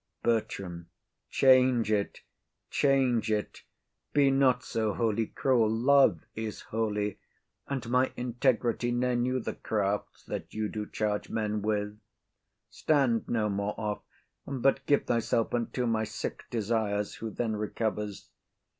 BERTRAM. Change it, change it. Be not so holy cruel. Love is holy; And my integrity ne'er knew the crafts That you do charge men with. Stand no more off, But give thyself unto my sick desires, Who then recovers.